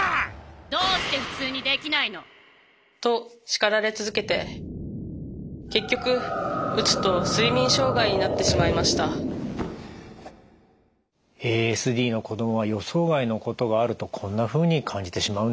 どうして普通にできないの？と叱られ続けて結局うつと睡眠障害になってしまいましたＡＳＤの子どもは予想外のことがあるとこんなふうに感じてしまうんですね。